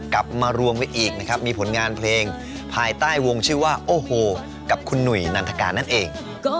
กลับมารวมไว้อีกนะครับมีผลงานเพลงภายใต้วงชื่อว่าโอ้โหกับคุณหนุ่ยนันทกานั่นเอง